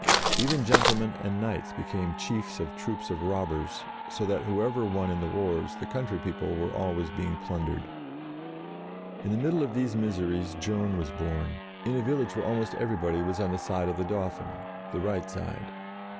Even gentlemen and knights became chiefs of troops of robbers, so that, whoever won in the wars, the country people were always being plundered. In the middle of these miseries Joan was born, in a village where almost everybody was on the side of the Dauphin : the right side.